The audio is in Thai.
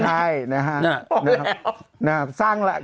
ใช่นะฮะ